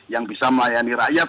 yang bisa melayani rakyat